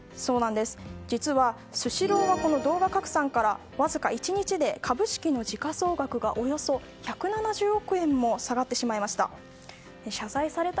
実は、スシローはこの動画拡散からわずか１日で株式の時価総額がおよそ１７０億円も下がってしまいました。